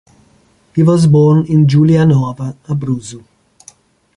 He was born in Giulianova, Abruzzo.